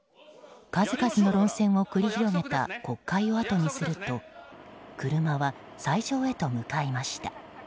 数々の論戦を繰り広げた国会をあとにすると車は斎場へと向かいました。